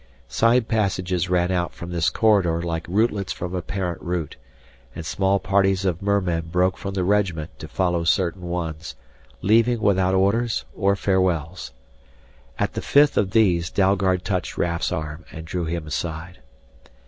Side passages ran out from this corridor like rootlets from a parent root, and small parties of mermen broke from the regiment to follow certain ones, leaving without orders or farewells. At the fifth of these Dalgard touched Raf's arm and drew him aside.